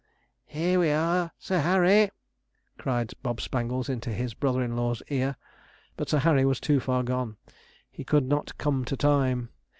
'Here we are, Sir Harry!' cried Bob Spangles, into his brother in law's ear, but Sir Harry was too far gone; he could not 'come to time.'